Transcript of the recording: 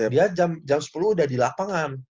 dia jam sepuluh udah di lapangan